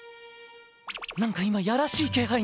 なんか今やらしい気配が。